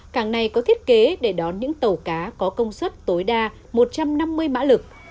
cảng này có thiết kế để đón những tàu cá có công suất tối đa một trăm năm mươi mã lực